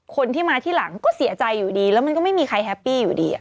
คนที่มาที่หลังก็เสียใจอยู่ดีแล้วมันก็ไม่มีใครแฮปปี้อยู่ดี